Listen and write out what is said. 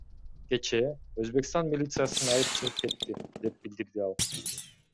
Кечээ, Өзбекстан милициясын алып чыгып кетти, — деп билдирди ал.